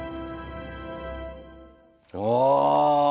ああ。